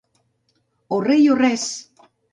O rei o res!